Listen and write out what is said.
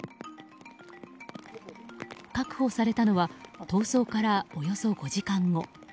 確保されたのは逃走からおよそ５時間後。